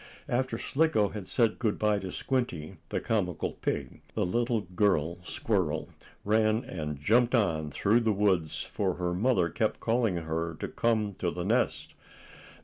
After Slicko had said good bye to Squinty, the comical pig, the little girl squirrel ran and jumped on through the woods, for her mother kept calling to her to come to the nest.